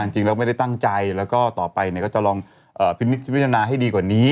จริงแล้วไม่ได้ตั้งใจแล้วก็ต่อไปก็จะลองพิจารณาให้ดีกว่านี้